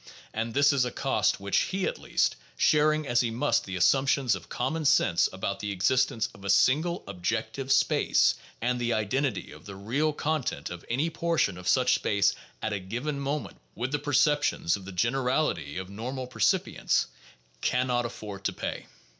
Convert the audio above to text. And this is a cost which he at least, — sharing as he must the assumptions of common sense about the existence of a single objective space and the identity of the "real" content of any portion of such space at a given moment with the perceptions of the generality of normal percipients, — can not afford to pay.